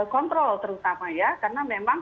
kontrol terutama ya karena memang